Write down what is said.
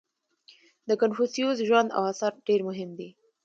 • د کنفوسیوس ژوند او آثار ډېر مهم دي.